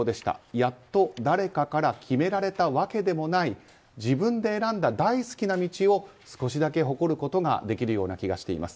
やっと誰から決められたわけでもない自分で選んだ大好きな道を少しだけ誇ることができるような気がしています。